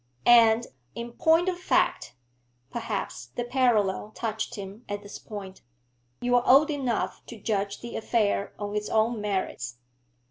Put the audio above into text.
'and, in point of fact' (perhaps the parallel touched him at this point), 'you are old enough to judge the affair on its own merits.